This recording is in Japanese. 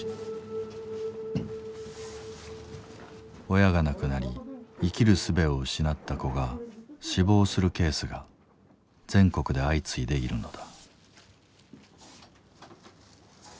親が亡くなり生きるすべを失った子が死亡するケースが全国で相次いでいるのだ。